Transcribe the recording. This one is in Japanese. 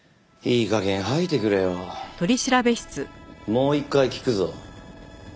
もう一回聞くぞ。